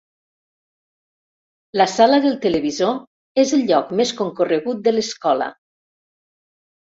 La sala del televisor és el lloc més concorregut de l'escola.